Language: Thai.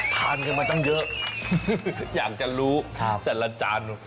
ทานกันมาตั้งเยอะอยากจะรู้แต่ละจาน